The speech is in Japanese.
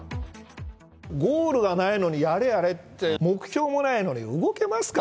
ゴールがないのに、やれやれって、目標もないのに動けますか？